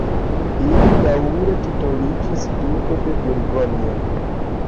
Ili daŭre titoliĝis duko de Burgonjo.